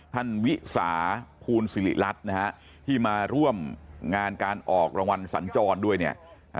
วิสาภูลสิริรัตน์นะฮะที่มาร่วมงานการออกรางวัลสัญจรด้วยเนี่ย